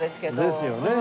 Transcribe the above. ですよね。